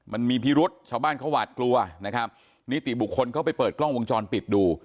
มันมีพิรุษชาวบ้านเขาหวาดกลัวนะครับนิติบุคคลเขาไปเปิดกล้องวงจรปิดดู